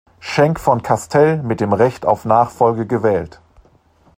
Schenk von Castell mit dem Recht auf Nachfolge gewählt.